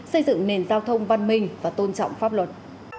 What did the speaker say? xây dựng nền giao thông văn minh và tôn trọng pháp luật